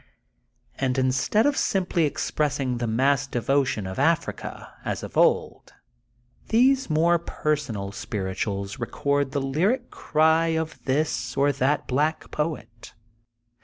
And instead of simply expressing the massed devotion of Africa, as of old, these more personal spir ituals record the lyric cry of this or that black poet.